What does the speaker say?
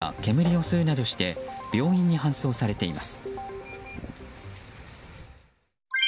そのうち４０代の男性客が煙を吸うなどして病院に搬送されています。